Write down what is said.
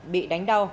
bị đánh đau